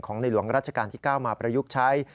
ของในหลวงรัชกาลที่เก้ามาประยุกต์ใช้